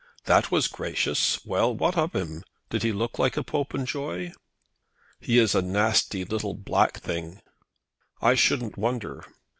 "That was gracious! Well; what of him. Did he look like a Popenjoy?" "He is a nasty little black thing." "I shouldn't wonder."